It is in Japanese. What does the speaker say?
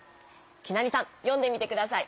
きなりさんよんでみてください。